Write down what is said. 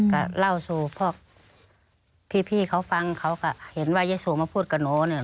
ก็เล่าสู่พวกพี่เขาฟังเขาก็เห็นว่ายายสู่มาพูดกับหนูเนี่ย